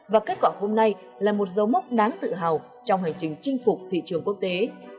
và kết quả hôm nay là một dấu mốc đáng tự hào trong hành trình chinh phục thị trường quốc tế